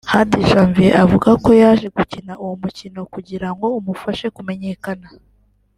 Hadi Janvier avuga ko yaje gukina uwo mukino kugira ngo umufashe kumenyekana